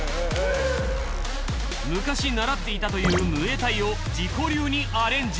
昔習っていたというムエタイを自己流にアレンジ。